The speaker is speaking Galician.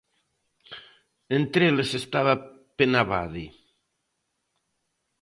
Entre eles estaba Penabade.